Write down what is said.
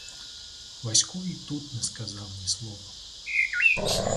Васько й тут не сказав ні слова.